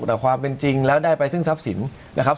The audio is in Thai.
แต่ความเป็นจริงแล้วได้ไปซึ่งทรัพย์สินนะครับ